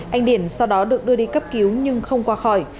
anh điển sau đó được đưa đi cấp cứu nhưng không qua khỏi